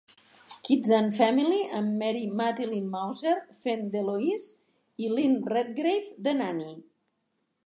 'Kids and Family', amb Mary Matilyn Mouser fent d'Eloise i Lynn Redgrave, de Nanny.